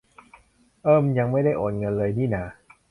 เอิ่ม ยังไม่ได้โอนเงินเลยนี่นา